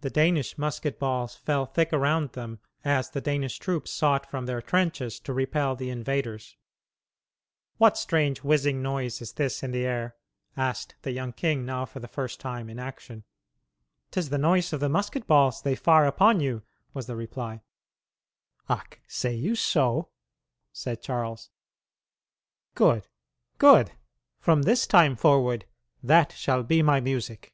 The Danish musket balls fell thick around them as the Danish troops sought from their trenches to repel the invaders. "What strange whizzing noise is this in the air?" asked the young king, now for the first time in action. "'Tis the noise of the musket balls they fire upon you," was the reply. "Ack, say you so," said Charles: "good, good; from this time forward that shall he my music."